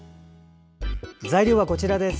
材料はこちらです。